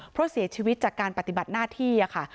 เพราะเสียชีวิตจากการปฏิบัติหน้าที่ค่ะ